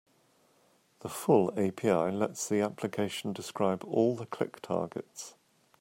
The full API lets the application describe all the click targets.